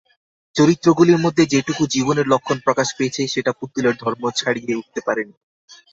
চরিত্রগুলির মধ্যে যেটুকু জীবনের লক্ষণ প্রকাশ পেয়েছে সেটা পুতুলের ধর্ম ছাড়িয়ে উঠতে পারে নি।